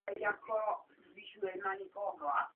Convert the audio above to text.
Chtěl bych dodat, že dohoda v prvním čtení je výjimkou.